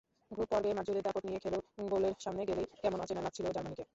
গ্রুপপর্বে মাঠজুড়ে দাপট নিয়ে খেলেও গোলের সামনে গেলেই কেমন অচেনা লাগছিল জার্মানিকে।